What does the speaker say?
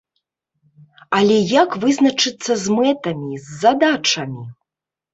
Але як вызначыцца з мэтамі, з задачамі?